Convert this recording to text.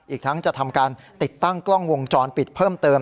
อีกทั้งจะทำการติดตั้งกล้องวงจรปิดเพิ่มเติม